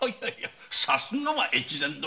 さすがは大岡殿。